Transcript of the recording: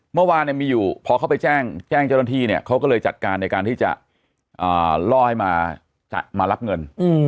เมื่อวานมีอยู่พอเขาไปแจ้งเจ้าหน้าที่เนี่ยเขาก็เลยจัดการในการที่จะล่อให้มารับเงิน